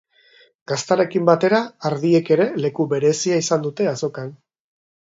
Gaztarekin batera ardiek ere leku berezia izan dute azokan.